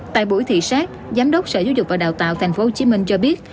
tại buổi thị xác giám đốc sở giáo dục và đào tạo tp hcm cho biết